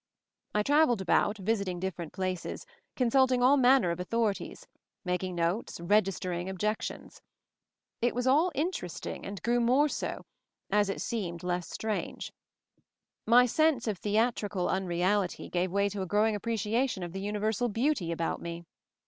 I traveled about, visiting different places, consulting all manner of authorities, mak ing notes, registering objections. It was all interesting, and grew more so as it seemed 226 MOVING THE MOUNTAIN less strange. My sense of theatrical un reality gave way to a growing appreciation of the universal beauty about me.